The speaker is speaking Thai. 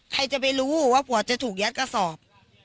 ใครจะไปรู้ว่าผัวจะถูกยัดกระสอบ